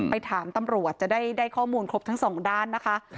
ไปถามตำรวจจะได้ข้อมูลครบทั้งสองด้านนะคะ